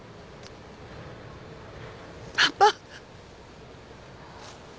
パパ。